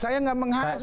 saya tidak menghasut